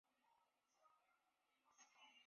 苔藓学科学研究的植物学分支。